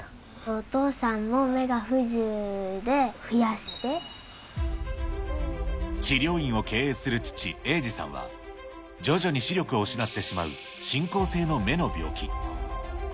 お父さんも目が不自由で、治療院を経営する父、英二さんは、徐々に視力を失ってしまう進行性の目の病気。